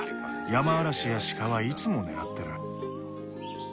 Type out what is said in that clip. ヤマアラシやシカはいつも狙ってる。